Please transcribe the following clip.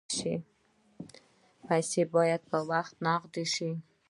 پسه باید په وخت تغذیه شي.